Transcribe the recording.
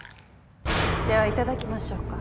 ではいただきましょうか。